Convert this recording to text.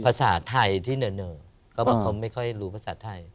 ภาษาไทยที่เหน่อก็ว่าเขาไม่ค่อยรู้ภาษาไทย